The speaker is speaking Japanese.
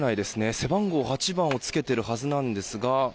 背番号８番をつけているはずですが。